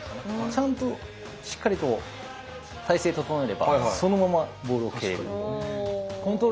ちゃんとしっかりと体勢整えればそのままボールを蹴れる。